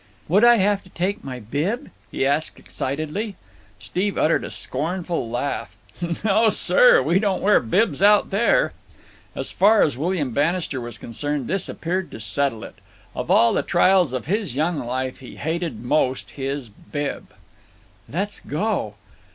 "Would I have to take my bib?" he asked excitedly. Steve uttered a scornful laugh. "No, sir! We don't wear bibs out there." As far as William Bannister was concerned, this appeared to settle it. Of all the trials of his young life he hated most his bib. "Let's go!"